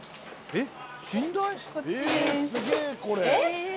えっ？